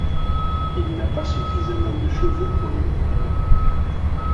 Il n’a pas suffisamment de cheveux pour lui plaire.